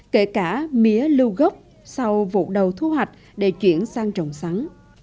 kể cả mía lưu gốc sau vụ đầu thu hoạch để chuyển sang trồng sắn